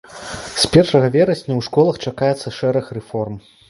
З першага верасня ў школах чакаецца шэраг рэформ.